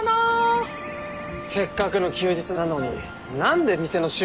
せっかくの休日なのに何で店の修理なんだよ。